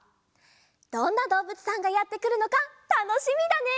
どんなどうぶつさんがやってくるのかたのしみだね！